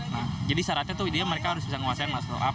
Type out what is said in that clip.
nah jadi syaratnya tuh ideal mereka harus bisa menguasai mustro up